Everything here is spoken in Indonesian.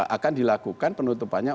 akan dilakukan penutupannya